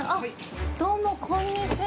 どうも、こんにちは。